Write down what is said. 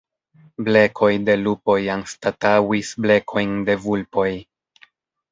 Blekoj de lupoj anstataŭis blekojn de vulpoj.